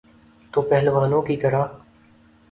تو پہلوانوں کی طرح۔